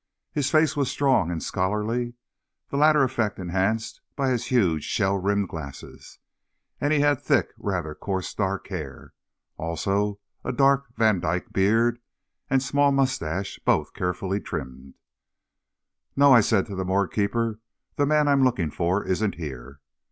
His face was strong and scholarly, the latter effect enhanced by his huge, shell rimmed glasses, and he had thick, rather coarse dark hair. Also a dark Vandyke beard and small mustache, both carefully trimmed. "No," I said to the morgue keeper, "the man I'm looking for isn't here."